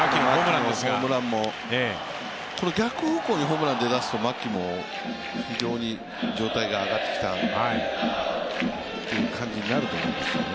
この、逆方向にホームランが出だすと牧も非常に状態が上ってきたという感じになると思うんですよね。